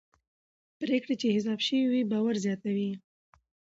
پرېکړې چې حساب شوي وي باور زیاتوي